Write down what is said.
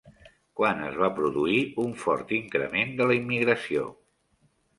Quan es va produir un fort increment de la immigració?